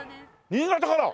新潟から！？